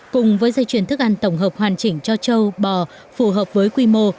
cùng với dây chuyền thức ăn tổng hợp hoàn chỉnh cho châu bò phù hợp với quy mô